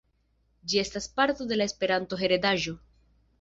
Ĝi estas parto de la Esperanto-heredaĵo.